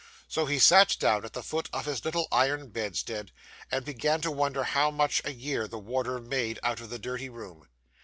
So, he sat down at the foot of his little iron bedstead, and began to wonder how much a year the warder made out of the dirty room.